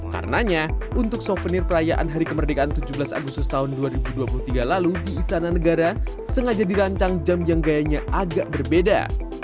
karenanya untuk souvenir perayaan hari kemerdekaan tujuh belas agustus tahun dua ribu dua puluh tiga lalu di istana negara sengaja dirancang jam yang gayanya agak berbeda